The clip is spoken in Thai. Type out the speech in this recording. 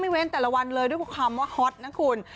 เว้นแต่ละวันเลยด้วยความว่าฮอตนะคุณ